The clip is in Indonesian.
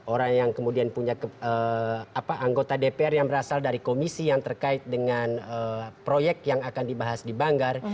orang yang kemudian punya anggota dpr yang berasal dari komisi yang terkait dengan proyek yang akan dibahas di banggar